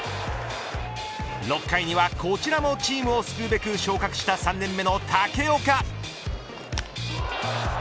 ６回にはこちらもチームを救うべく昇格した３年目の武岡。